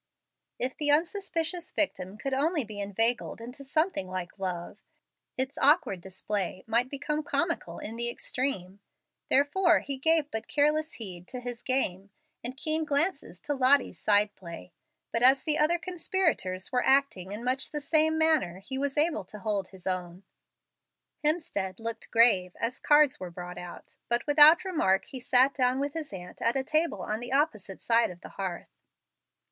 If the unsuspicious victim could only be inveigled into something like love, its awkward display might become comical in the extreme. Therefore, he gave but careless heed to his game, and keen glances to Lottie's side play. But as the other conspirators were acting in much the same manner he was able to hold his own. Hemstead looked grave, as cards were brought out, but without remark he sat down with his aunt at a table on the opposite side of the hearth.